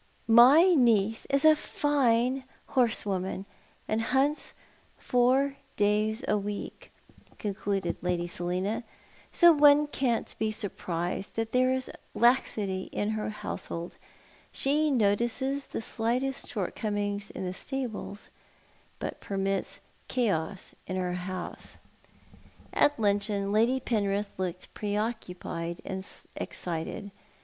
"My niece is a fine horsewoman, and hunts four days a week," concluded Lady Selina, " so one can't be surprised that there is laxity in her household. She notices the slightest shortcoming in the stables, but permits chaos in her house." At luncheon Lady Penrith looked pre occuioied and excited.